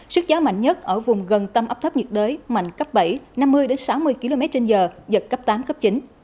sức gió mạnh nhất ở vùng gần tâm áp thấp nhiệt đới mạnh cấp bảy năm mươi sáu mươi km trên giờ giật cấp tám cấp chín